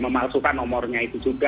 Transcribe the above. memalsukan nomornya itu juga